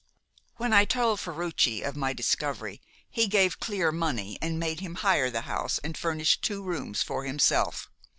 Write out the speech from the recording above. "When I told Ferruci of my discovery, he gave Clear money and made him hire the house and furnish two rooms for himself.